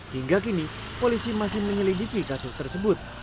hingga kini polisi masih menyelidiki kasus tersebut